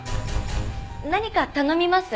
何か頼みます？